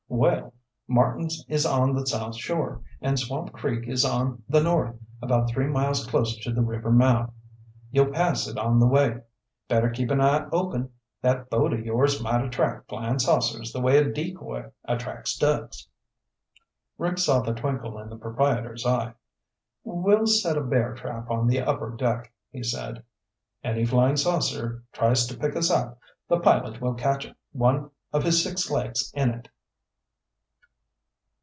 Well, Martins is on the south shore, and Swamp Creek is on the north, about three miles closer to the river mouth. You'll pass it on the way. Better keep an eye open. That boat of yours might attract flyin' saucers the way a decoy attracts ducks." Rick saw the twinkle in the proprietor's eye. "We'll set a bear trap on the upper deck," he said. "Any flying saucer tries to pick us up, the pilot will catch one of his six legs in it."